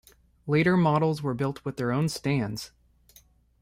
Later models were built with their own stands.